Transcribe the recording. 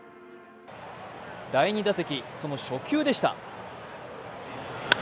第２打席、その初球でした。